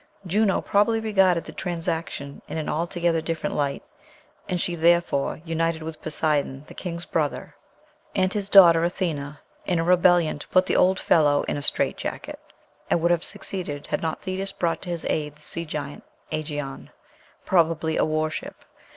Juno probably regarded the transaction in an altogether different light; and she therefore united with Poseidon, the king's brother, and his daughter Athena, in a rebellion to put the old fellow in a strait jacket, "and would have succeeded had not Thetis brought to his aid the sea giant Ægæon," probably a war ship.